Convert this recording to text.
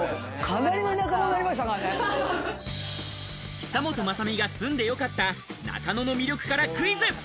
久本雅美が住んで良かった中野の魅力からクイズ。